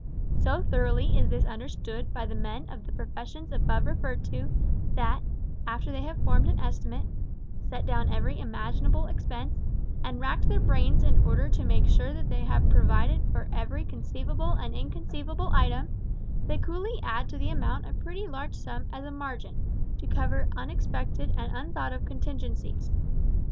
So thoroughly is this understood by the men of the professions above referred to, that, after they have formed an estimate, set down every imaginable expense, and racked their brains in order to make sure that they have provided for every conceivable and inconceivable item, they coolly add to the amount a pretty large sum as a "margin" to cover unexpected and unthought of contingencies.